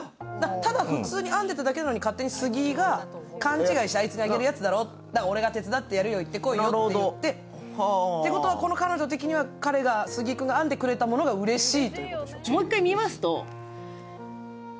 ただふつうに勝手に編んでただけなのに勝手に杉井が勘違いしてあいつがあげるやつだろって、だから、俺が手伝ってやるよ、行ってこいよって言って、てことは、彼女的には杉井君が編んでくれたものがうれしい。